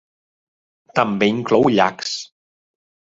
També inclou llacs.